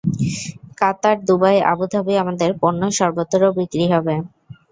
কাতার, Dubai, Abu Dhabi আমাদের পণ্য সর্বত্র বিক্রি হবে।